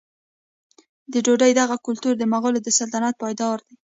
د ډوډۍ دغه کلتور د مغولو د سلطنت پیداوار و.